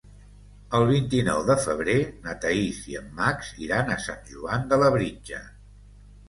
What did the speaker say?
El vint-i-nou de febrer na Thaís i en Max iran a Sant Joan de Labritja.